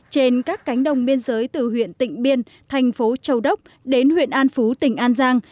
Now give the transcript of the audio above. trên các cánh đồng biên giới từ huyện tỉnh biên thành phố châu đốc đến huyện an phú tỉnh an giang